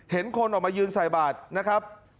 เห็นคนออกมายืนสายบาทนะครับ